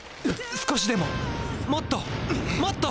少しでももっともっと！